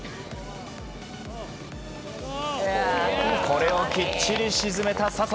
これをきっちり沈めた笹生。